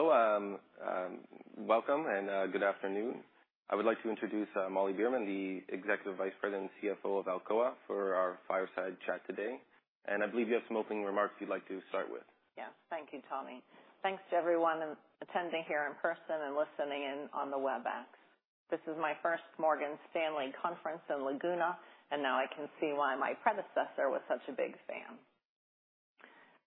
Hello, welcome and good afternoon. I would like to introduce Molly Beerman, the Executive Vice President and CFO of Alcoa, for our fireside chat today, and I believe you have some opening remarks you'd like to start with. Yes. Thank you, Tommy. Thanks to everyone in attending here in person and listening in on the WebEx. This is my first Morgan Stanley conference in Laguna, and now I can see why my predecessor was such a big fan.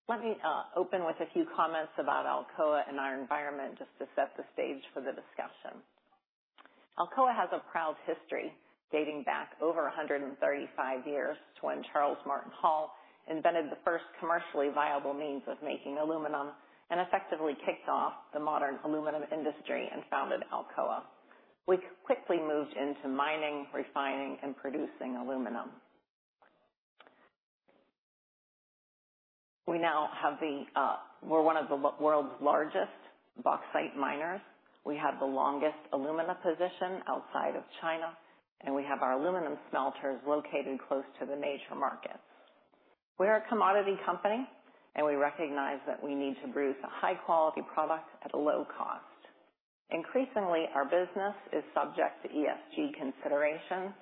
Let me open with a few comments about Alcoa and our environment, just to set the stage for the discussion. Alcoa has a proud history dating back over 135 years to when Charles Martin Hall invented the first commercially viable means of making aluminum, and effectively kicked off the modern aluminum industry and founded Alcoa. We quickly moved into mining, refining, and producing aluminum. We now have the -- we're one of the world's largest bauxite miners. We have the longest alumina position outside of China, and we have our aluminum smelters located close to the major markets. We're a commodity company, and we recognize that we need to produce a high-quality product at a low cost. Increasingly, our business is subject to ESG considerations,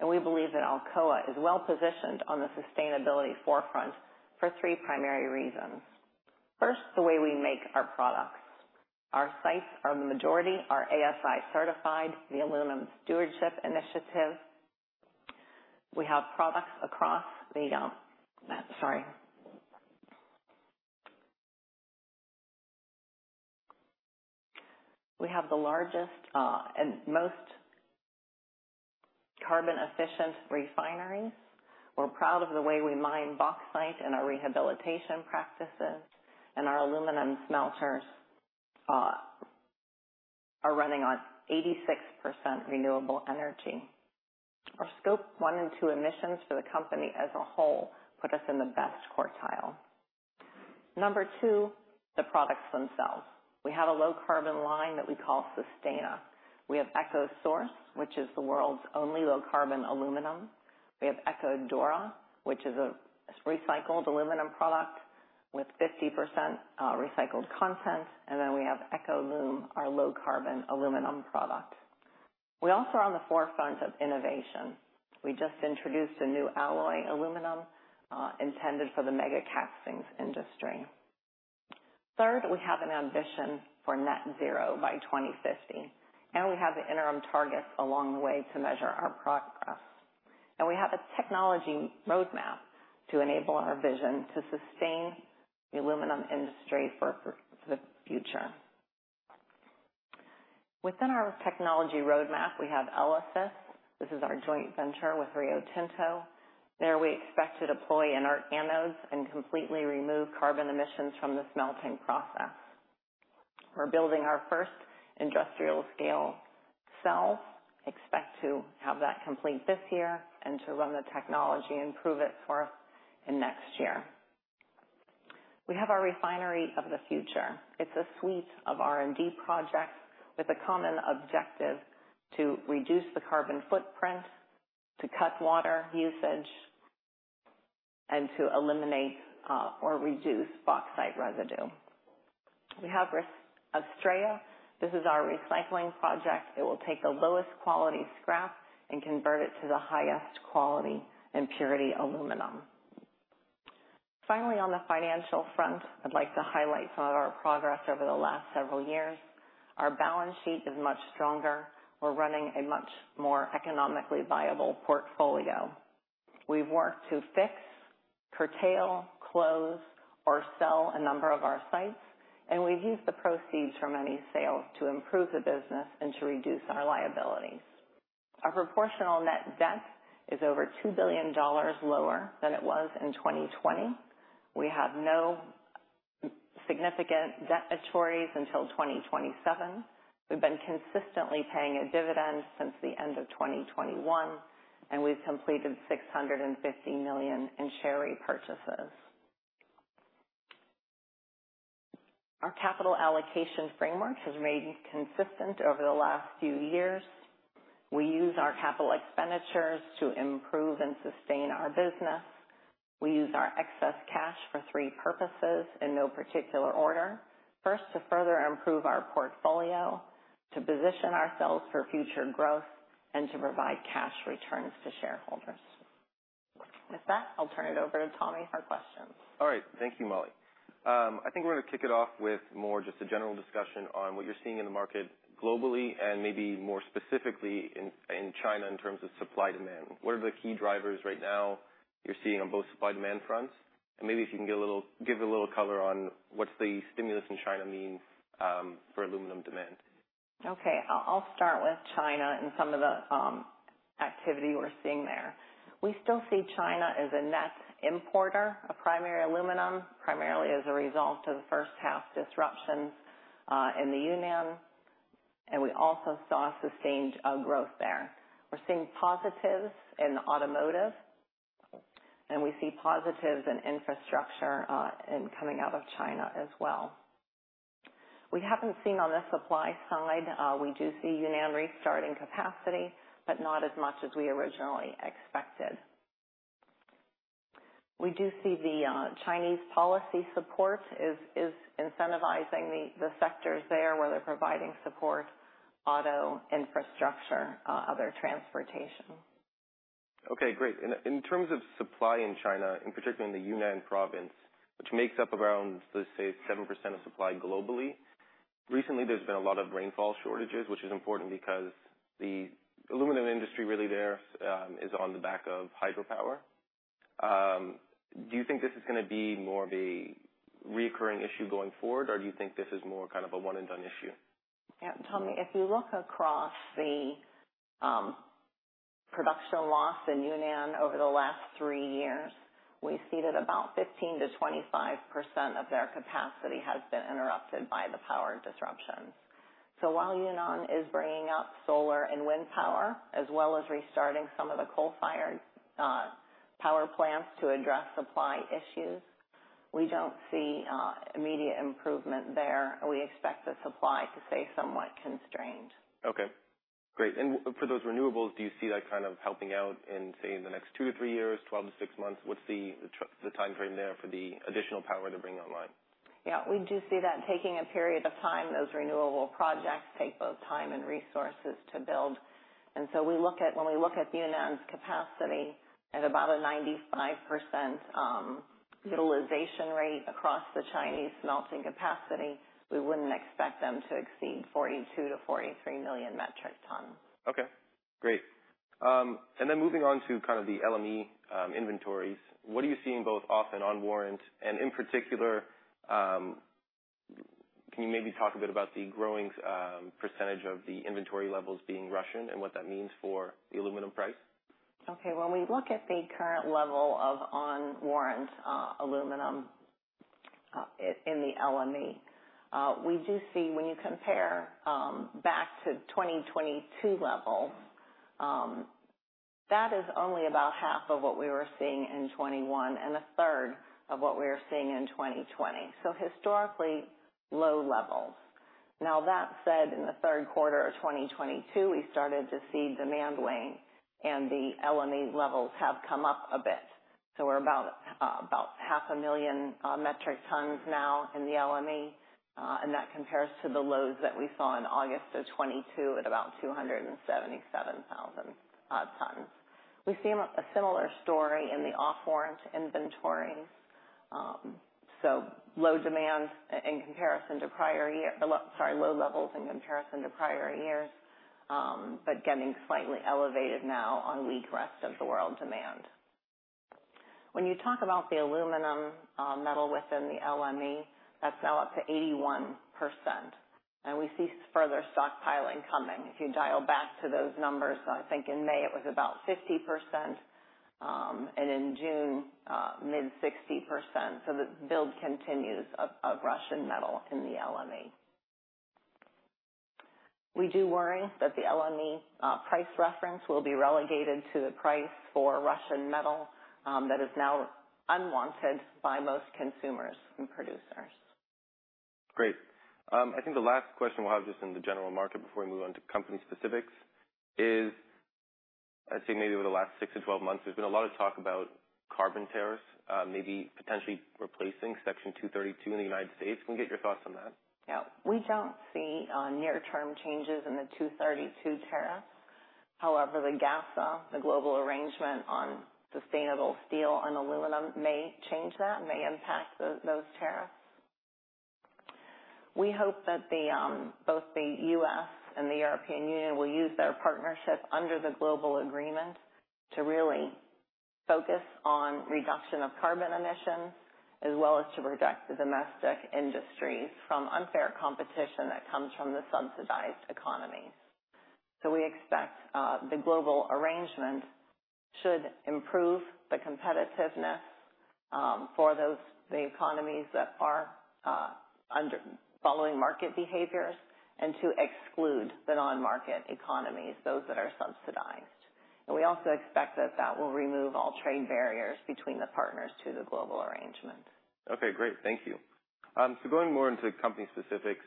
and we believe that Alcoa is well positioned on the sustainability forefront for three primary reasons. First, the way we make our products. Our sites, the majority, are ASI certified, the Aluminum Stewardship Initiative. We have the largest and most carbon-efficient refineries. We're proud of the way we mine bauxite and our rehabilitation practices, and our aluminum smelters are running on 86% renewable energy. Our Scope 1 and 2 emissions for the company as a whole put us in the best quartile. Number two, the products themselves. We have a low carbon line that we call Sustana. We have EcoSource, which is the world's only low carbon aluminum. We have EcoDura, which is a recycled aluminum product with 50% recycled content, and then we have EcoLum, our low carbon aluminum product. We also are on the forefront of innovation. We just introduced a new alloy aluminum intended for the mega castings industry. Third, we have an ambition for net zero by 2050, and we have the interim targets along the way to measure our progress. We have a technology roadmap to enable our vision to sustain the aluminum industry for, for the future. Within our technology roadmap, we have ELYSIS. This is our joint venture with Rio Tinto. There, we expect to deploy inert anodes and completely remove carbon emissions from the smelting process. We're building our first industrial scale cell. Expect to have that complete this year and to run the technology and prove it in next year. We have our Refinery of the Future. It's a suite of R&D projects with a common objective to reduce the carbon footprint, to cut water usage, and to eliminate, or reduce bauxite residue. We have Astraea. This is our recycling project. It will take the lowest quality scrap and convert it to the highest quality and purity aluminum. Finally, on the financial front, I'd like to highlight some of our progress over the last several years. Our balance sheet is much stronger. We're running a much more economically viable portfolio. We've worked to fix, curtail, close, or sell a number of our sites, and we've used the proceeds from any sales to improve the business and to reduce our liabilities. Our proportional net debt is over $2 billion lower than it was in 2020. We have no significant debt maturities until 2027. We've been consistently paying a dividend since the end of 2021, and we've completed $650 million in share repurchases. Our capital allocation framework has remained consistent over the last few years. We use our capital expenditures to improve and sustain our business. We use our excess cash for three purposes, in no particular order: first, to further improve our portfolio, to position ourselves for future growth, and to provide cash returns to shareholders. With that, I'll turn it over to Tommy for questions. All right. Thank you, Molly. I think we're going to kick it off with more just a general discussion on what you're seeing in the market globally and maybe more specifically in China in terms of supply-demand. What are the key drivers right now you're seeing on both supply-demand fronts? And maybe if you can give a little color on what's the stimulus in China mean for aluminum demand. Okay. I'll start with China and some of the activity we're seeing there. We still see China as a net importer of primary aluminum, primarily as a result of the first half disruptions in the Yunnan, and we also saw sustained growth there. We're seeing positives in automotive, and we see positives in infrastructure in coming out of China as well. We haven't seen on the supply side. We do see Yunnan restarting capacity, but not as much as we originally expected. We do see the Chinese policy support is incentivizing the sectors there where they're providing supp ort, auto, infrastructure, other transportation. Okay, great. In terms of supply in China, and particularly in the Yunnan Province, which makes up around, let's say, 7% of supply globally, recently, there's been a lot of rainfall shortages, which is important because the aluminum industry really there is on the back of hydropower. Do you think this is gonna be more of a recurring issue going forward, or do you think this is more kind of a one-and-done issue? Yeah, Tommy, if you look across the production loss in Yunnan over the last three years, we see that about 15%-25% of their capacity has been interrupted by the power disruptions. So while Yunnan is bringing up solar and wind power, as well as restarting some of the coal-fired power plants to address supply issues, we don't see immediate improvement there. We expect the supply to stay somewhat constrained. Okay, great. And for those renewables, do you see that kind of helping out in, say, the next two-three years, 12-6 months? What's the, the timeframe there for the additional power to bring online? Yeah, we do see that taking a period of time. Those renewable projects take both time and resources to build, and so we look at Yunnan's capacity at about a 95% utilization rate across the Chinese smelting capacity. We wouldn't expect them to exceed 42-43 million metric tons. Okay, great. And then moving on to kind of the LME, inventories, what are you seeing both off and on warrant? And in particular, can you maybe talk a bit about the growing, percentage of the inventory levels being Russian and what that means for the aluminum price? Okay. When we look at the current level of on-warrant aluminum in the LME, we do see when you compare back to 2022 levels, that is only about half of what we were seeing in 2021 and a third of what we were seeing in 2020. So historically low levels. Now, that said, in the third quarter of 2022, we started to see demand wane, and the LME levels have come up a bit. So we're about 500,000 metric tons now in the LME, and that compares to the lows that we saw in August of 2022 at about 277,000 per tons. We see a similar story in the off-warrant inventory. So low demand in comparison to prior year. Sorry, low levels in comparison to prior years, but getting slightly elevated now on weak rest-of-the-world demand. When you talk about the aluminum, metal within the LME, that's now up to 81%, and we see further stockpiling coming. If you dial back to those numbers, I think in May it was about 50%, and in June, mid-60%. So the build continues of Russian metal in the LME. We do worry that the LME, price reference will be relegated to the price for Russian metal, that is now unwanted by most consumers and producers. Great. I think the last question we'll have just in the general market before we move on to company specifics is, I'd say maybe over the last 6-12 months, there's been a lot of talk about carbon tariffs, maybe potentially replacing Section 232 in the United States. Can we get your thoughts on that? Yeah. We don't see near-term changes in the Section 232 tariffs. However, the GASSA, the Global Arrangement on Sustainable Steel and Aluminum, may change that, may impact those tariffs. We hope that both the US. and the European Union will use their partnership under the global agreement to really focus on reduction of carbon emissions, as well as to protect the domestic industry from unfair competition that comes from the subsidized economies. So we expect the global arrangement should improve the competitiveness for those, the economies that are under following market behaviors, and to exclude the non-market economies, those that are subsidized. And we also expect that that will remove all trade barriers between the partners to the global arrangement. Okay, great. Thank you. So going more into company specifics,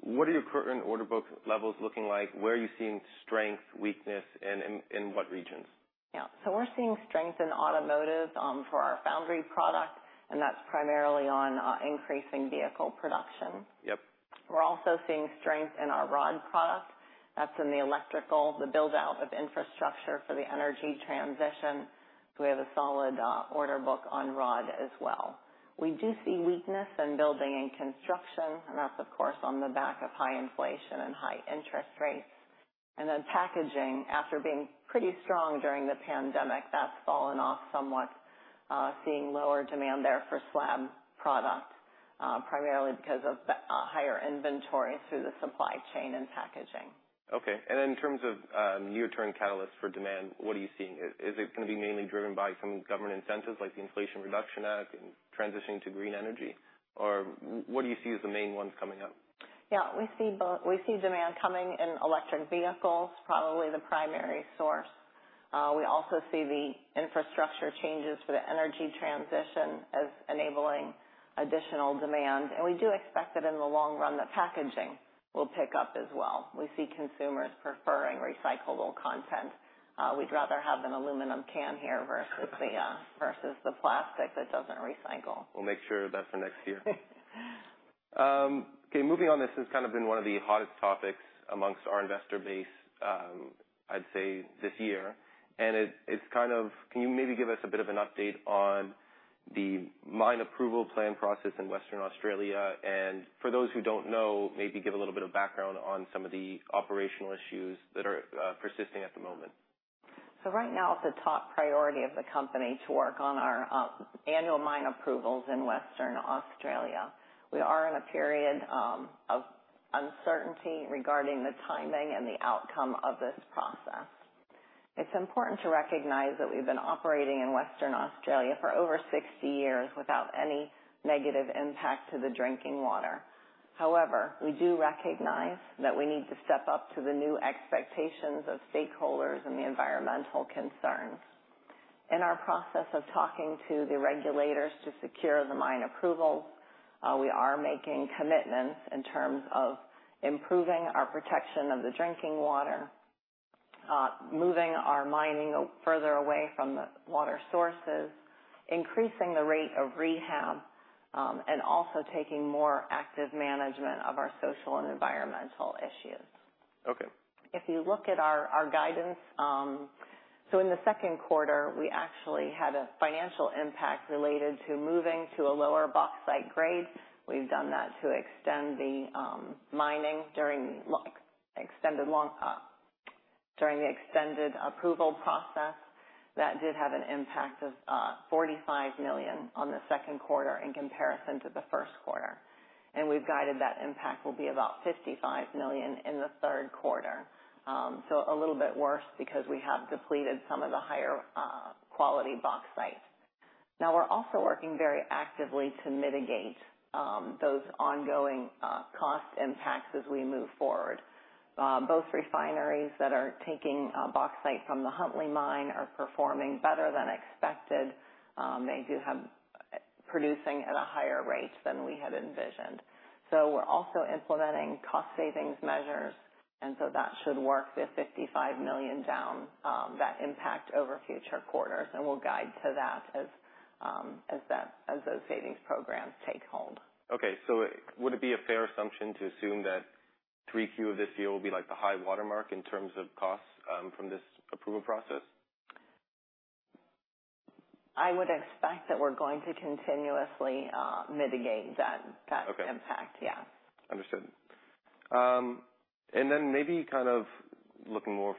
what are your current order book levels looking like? Where are you seeing strength, weakness, and in what regions? Yeah. So we're seeing strength in automotive, for our foundry product, and that's primarily on, increasing vehicle production. Yep. We're also seeing strength in our rod product. That's in the electrical, the build-out of infrastructure for the energy transition. So we have a solid, order book on rod as well. We do see weakness in building and construction, and that's, of course, on the back of high inflation and high interest rates. And then packaging, after being pretty strong during the pandemic, that's fallen off somewhat, seeing lower demand there for slab product, primarily because of the, higher inventory through the supply chain and packaging. Okay. And in terms of, near-term catalysts for demand, what are you seeing? Is it gonna be mainly driven by some government incentives, like the Inflation Reduction Act and transitioning to green energy? Or what do you see as the main ones coming up? Yeah, we see both. We see demand coming in electric vehicles, probably the primary source. We also see the infrastructure changes for the energy transition as enabling additional demand, and we do expect that in the long run, the packaging will pick up as well. We see consumers preferring recyclable content. We'd rather have an aluminum can here versus the plastic that doesn't recycle. We'll make sure that's for next year. Okay, moving on. This has kind of been one of the hottest topics amongst our investor base, I'd say this year, and it's kind of can you maybe give us a bit of an update on the mine approval plan process in Western Australia? And for those who don't know, maybe give a little bit of background on some of the operational issues that are persisting at the moment. So, right now, it's a top priority of the company to work on our annual mine approvals in Western Australia. We are in a period of uncertainty regarding the timing and the outcome of this process. It's important to recognize that we've been operating in Western Australia for over 60 years without any negative impact to the drinking water. However, we do recognize that we need to step up to the new expectations of stakeholders and the environmental concerns. In our process of talking to the regulators to secure the mine approval, we are making commitments in terms of improving our protection of the drinking water, moving our mining further away from the water sources, increasing the rate of rehab, and also taking more active management of our social and environmental issues. Okay. If you look at our guidance. In the second quarter, we actually had a financial impact related to moving to a lower bauxite grade. We've done that to extend the mining during the extended long pot. During the extended approval process, that did have an impact of $45 million on the second quarter in comparison to the first quarter, and we've guided that impact will be about $55 million in the third quarter. So a little bit worse because we have depleted some of the higher quality bauxite. Now, we're also working very actively to mitigate those ongoing cost impacts as we move forward. Both refineries that are taking bauxite from the Huntly Mine are performing better than expected. They do have producing at a higher rate than we had envisioned. So we're also implementing cost savings measures, and so that should work the $55 million down, that impact over future quarters, and we'll guide to that as those savings programs take hold. Okay. So, would it be a fair assumption to assume that 3Q of this year will be like the high watermark in terms of costs from this approval process? I would expect that we're going to continuously mitigate that. Okay. -impact. Yeah. Understood. And then maybe kind of looking more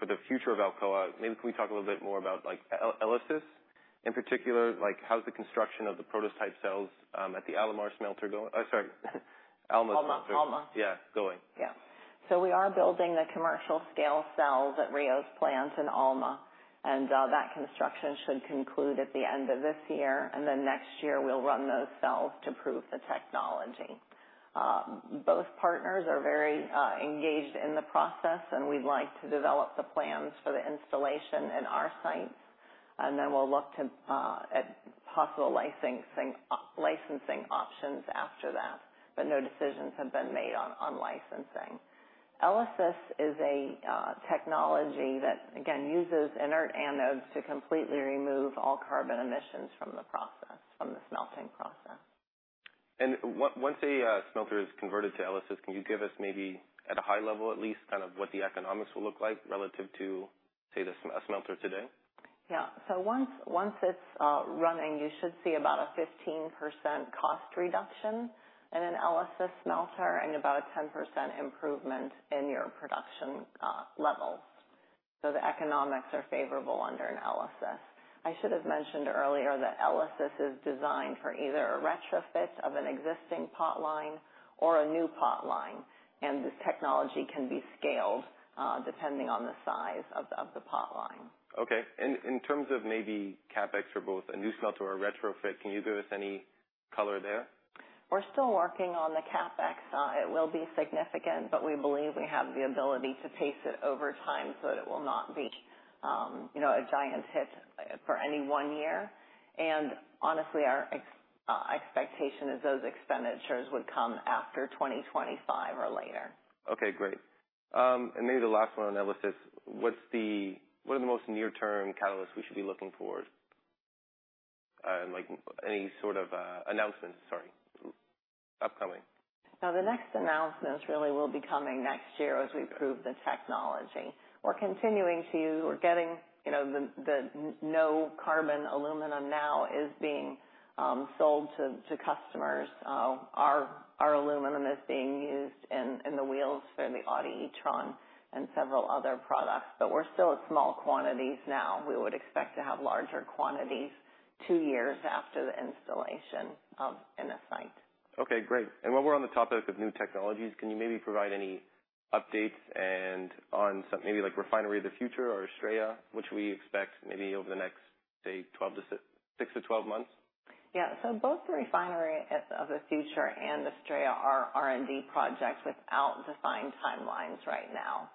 for the future of Alcoa, maybe can we talk a little bit more about, like, ELYSIS in particular? Like, how's the construction of the prototype cells at the Alumar smelter going? Oh, sorry. Alma smelter. Alma, Alma. Yeah, going. Yeah. So we are building the commercial scale cells at Rio's plant in Alma, and that construction should conclude at the end of this year, and then next year, we'll run those cells to prove the technology. Both partners are very engaged in the process, and we'd like to develop the plans for the installation in our sites. And then we'll look to at possible licensing, licensing options after that, but no decisions have been made on, on licensing. ELYSIS is a technology that, again, uses inert anodes to completely remove all carbon emissions from the process, from the smelting process. Once a smelter is converted to ELYSIS, can you give us maybe, at a high level at least, kind of what the economics will look like relative to, say, a smelter today? Yeah. So, once it's running, you should see about a 15% cost reduction in an ELYSIS smelter and about a 10% improvement in your production levels. So the economics are favorable under an ELYSIS. I should have mentioned earlier that ELYSIS is designed for either a retrofit of an existing pot line or a new pot line, and this technology can be scaled depending on the size of the pot line. Okay. And in terms of maybe CapEx for both a new smelter or a retrofit, can you give us any color there? We're still working on the CapEx side. It will be significant, but we believe we have the ability to pace it over time, so it will not be, you know, a giant hit for any one year. And honestly, our expectation is those expenditures would come after 2025 or later. Okay, great. And maybe the last one on ELYSIS. What are the most near-term catalysts we should be looking for? Like, any sort of announcements, sorry, upcoming. Now, the next announcement really will be coming next year as we prove the technology. We're getting, you know, the no carbon aluminum now is being sold to customers. Our aluminum is being used in the wheels for the Audi e-tron and several other products, but we're still at small quantities now. We would expect to have larger quantities two years after the installation in a site. Okay, great. And while we're on the topic of new technologies, can you maybe provide any updates and on some, maybe like Refinery of the Future or ASTRAEA, which we expect maybe over the next, say, 6-12 months? Yeah. So both the Refinery of the Future and Astraea are R&D projects without defined timelines right now.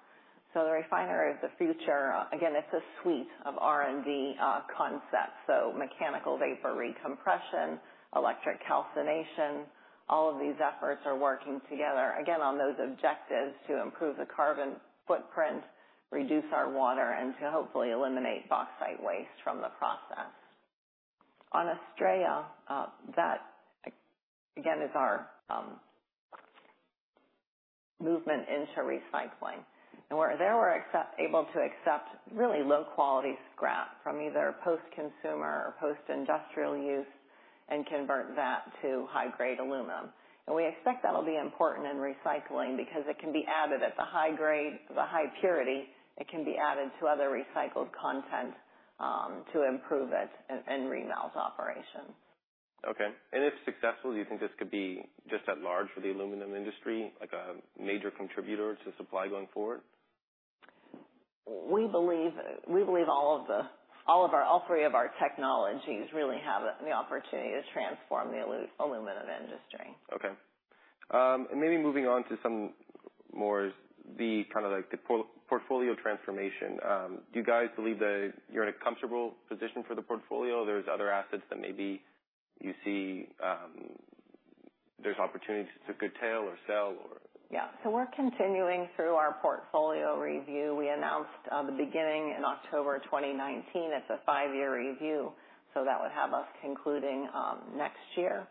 So the Refinery of the Future, again, it's a suite of R&D concepts, so mechanical vapor recompression, electric calcination, all of these efforts are working together, again, on those objectives to improve the carbon footprint, reduce our water, and to hopefully eliminate bauxite waste from the process. On Astraea, that, again, is our movement into recycling. And where we're able to accept really low-quality scrap from either post-consumer or post-industrial use and convert that to high-grade aluminum. And we expect that'll be important in recycling because it can be added at the high grade, the high purity, it can be added to other recycled content, to improve it in remelt operations. Okay. If successful, do you think this could be just as large for the aluminum industry, like a major contributor to supply going forward? We believe all three of our technologies really have the opportunity to transform the aluminum industry. Okay. And maybe moving on to some more, the kind of like the portfolio transformation. Do you guys believe that you're in a comfortable position for the portfolio? There's other assets that maybe you see, there's opportunities to curtail or sell or? Yeah. So we're continuing through our portfolio review. We announced the beginning in October 2019. It's a five-year review, so that would have us concluding next year.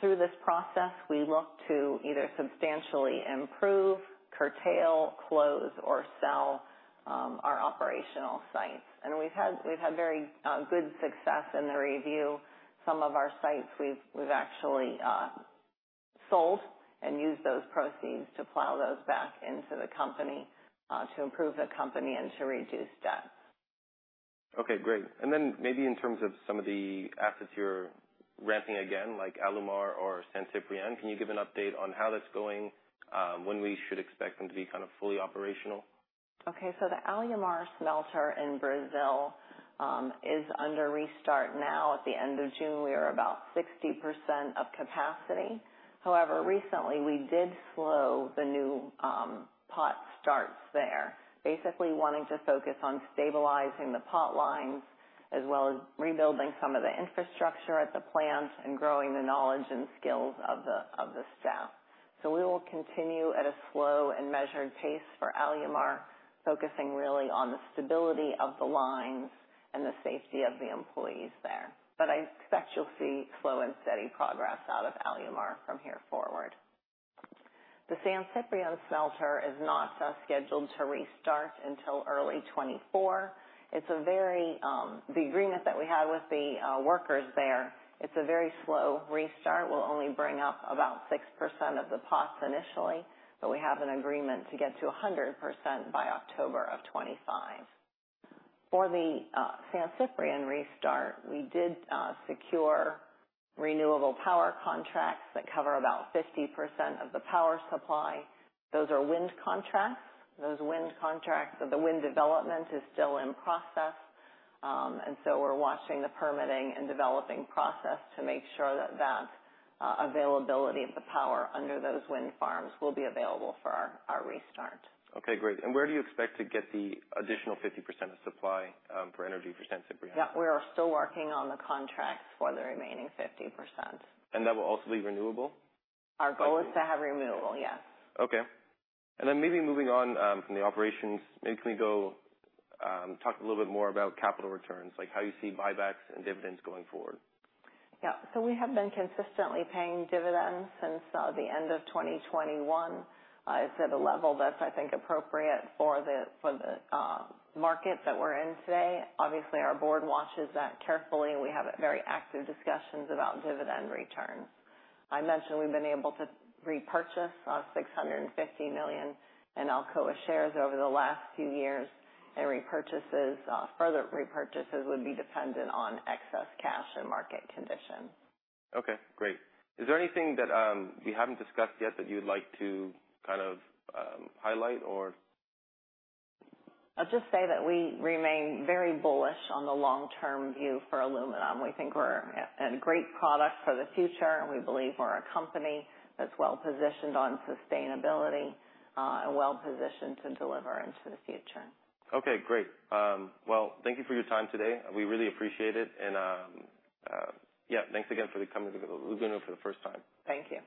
Through this process, we look to either substantially improve, curtail, close, or sell our operational sites. And we've had very good success in the review. Some of our sites we've actually sold and used those proceeds to plow those back into the company to improve the company and to reduce debt. Okay, great. And then maybe in terms of some of the assets you're ramping again, like Alumar or San Ciprián, can you give an update on how that's going, when we should expect them to be kind of fully operational? Okay. So the Alumar smelter in Brazil is under restart now. At the end of June, we are about 60% of capacity. However, recently we did slow the new pot starts there, basically wanting to focus on stabilizing the pot lines, as well as rebuilding some of the infrastructure at the plant and growing the knowledge and skills of the staff. So we will continue at a slow and measured pace for Alumar, focusing really on the stability of the lines and the safety of the employees there. But I expect you'll see slow and steady progress out of Alumar from here forward. The San Ciprián smelter is not scheduled to restart until early 2024. It's a very the agreement that we have with the workers there, it's a very slow restart. We'll only bring up about 6% of the pots initially, but we have an agreement to get to 100% by October of 2025. For the San Ciprián restart, we did secure renewable power contracts that cover about 50% of the power supply. Those are wind contracts. Those wind contracts, so the wind development is still in process. And so we're watching the permitting and developing process to make sure that availability of the power under those wind farms will be available for our restart. Okay, great. Where do you expect to get the additional 50% of supply for energy for San Ciprián? Yeah, we are still working on the contracts for the remaining 50%. That will also be renewable? Our goal is to have renewable, yes. Okay. And then maybe moving on from the operations, maybe can we go talk a little bit more about capital returns, like how you see buybacks and dividends going forward? Yeah. So we have been consistently paying dividends since the end of 2021. It's at a level that's, I think, appropriate for the market that we're in today. Obviously, our board watches that carefully, and we have very active discussions about dividend returns. I mentioned we've been able to repurchase $650 million in Alcoa shares over the last two years, and further repurchases would be dependent on excess cash and market conditions. Okay, great. Is there anything that we haven't discussed yet that you'd like to kind of highlight or? I'll just say that we remain very bullish on the long-term view for aluminum. We think we're a great product for the future, and we believe we're a company that's well positioned on sustainability, and well positioned to deliver into the future. Okay, great. Well, thank you for your time today. We really appreciate it, and, yeah, thanks again for coming to Laguna for the first time. Thank you.